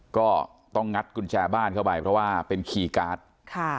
ก็ต้องงัดกุญแจบ้านเข้าไปเพราะว่าเป็นคีย์การ์ดค่ะ